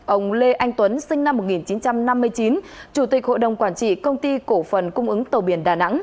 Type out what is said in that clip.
ông lê anh tuấn sinh năm một nghìn chín trăm năm mươi chín chủ tịch hội đồng quản trị công ty cổ phần cung ứng tàu biển đà nẵng